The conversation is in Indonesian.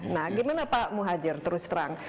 nah gimana pak muhajir terus terang